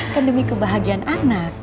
kan demi kebahagiaan anak